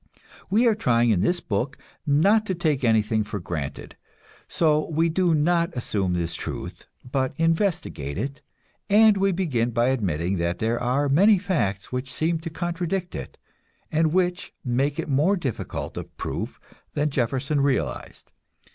We are trying in this book not to take anything for granted, so we do not assume this truth, but investigate it; and we begin by admitting that there are many facts which seem to contradict it, and which make it more difficult of proof than Jefferson realized.